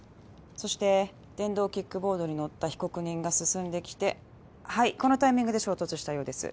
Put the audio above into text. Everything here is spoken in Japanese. そして電動キックボードに乗った被告人が進んできてはいこのタイミングで衝突したようです